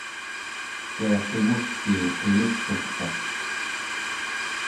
kia qimugtii qilugturta?